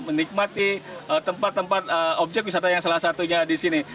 menikmati tempat tempat objek wisata yang salah satunya di sini